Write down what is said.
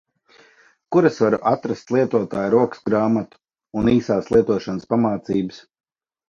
Kur es varu atrast lietotāja rokasgrāmatu un īsās lietošanas pamācības?